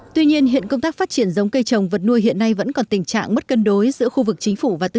tuy nhiên hiện công tác phát triển giống cây trồng vật nuôi hiện nay vẫn còn tình trạng mất cân đối giữa khu vực chính phủ và tư nhân